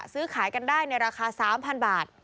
ซื้อขายกันได้ในราคา๓๐๐บาท